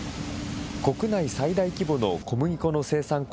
国内最大規模の小麦粉の生産